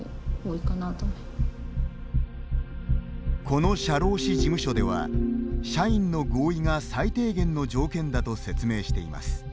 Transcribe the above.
この社労士事務所では社員の合意が最低限の条件だと説明しています。